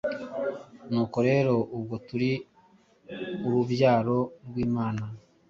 Nuko rero ubwo turi urubyaro rw’Imana,